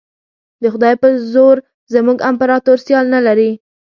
د خدای په زور زموږ امپراطور سیال نه لري.